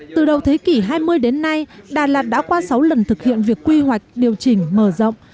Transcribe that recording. từ đầu thế kỷ hai mươi đến nay đà lạt đã qua sáu lần thực hiện việc quy hoạch điều chỉnh mở rộng